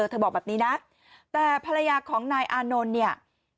เธอบอกแบบนี้นะแต่ภรรยาของนายอานนท์เนี่ย